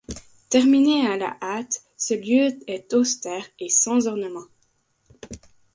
Terminée à la hâte, ce lieu est austère et sans ornement.